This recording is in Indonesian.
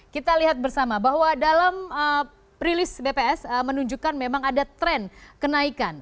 kita lihat bersama bahwa dalam rilis bps menunjukkan memang ada tren kenaikan